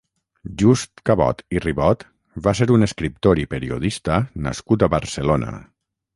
Just Cabot i Ribot va ser un escriptor i periodista nascut a Barcelona.